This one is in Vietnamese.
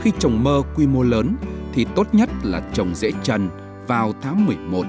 khi trồng mơ quy mô lớn thì tốt nhất là trồng dễ trần vào tháng một mươi một một mươi hai